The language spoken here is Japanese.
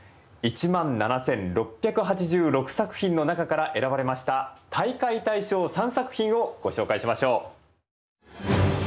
１万７，６８６作品の中から選ばれました大会大賞３作品をご紹介しましょう。